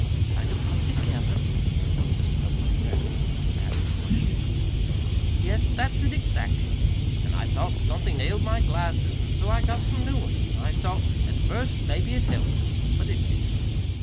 "Kind of run together?" Just above his breath Keith asked the question. "Yes, that's it exactly. An' I thought somethin' ailed my glasses, an' so I got some new ones. An' I thought at first maybe it helped. But it didn't.